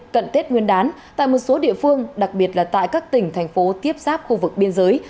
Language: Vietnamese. cận tết nguyên đán tại một số địa phương đặc biệt là tại các tỉnh thành phố tiếp sáp khu vực biên giới